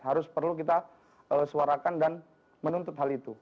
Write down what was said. harus perlu kita suarakan dan menuntut hal itu